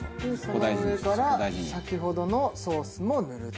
その上から先ほどのソースも塗ると。